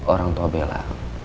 orang tua bella